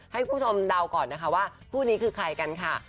ให้คุณผู้ชมเดาก่อนนะคะว่าคู่นี้คือใครกันค่ะ